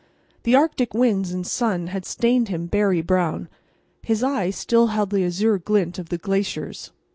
The Arctic winds and sun had stained him berry brown. His eye still held the azure glint of the glaciers.